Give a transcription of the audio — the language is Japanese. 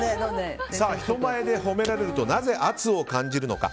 人前で褒められるとなぜ圧を感じるのか。